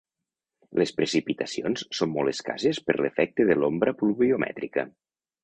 Les precipitacions són molt escasses per l'efecte de l'ombra pluviomètrica.